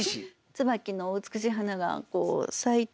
椿の美しい花が咲いた